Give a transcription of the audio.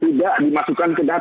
tidak dimasukkan ke data